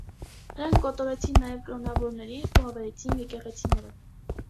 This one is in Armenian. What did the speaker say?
Նրանք կոտորեցին նաև կրանավորներին ու ավերեցին եկեղեցիները։